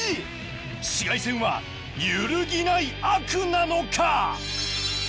紫外線は揺るぎない「悪」なのか？